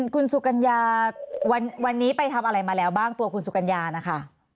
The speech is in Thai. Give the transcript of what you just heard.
คุณสุกัญญาวันนี้ไปทำอะไรมาแล้วบ้างตัวคุณสุกัญญานะคะ